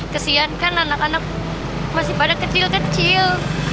kesian kan anak anak masih pada kecil kecil